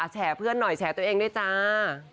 แฉเพื่อนหน่อยแฉตัวเองด้วยจ้า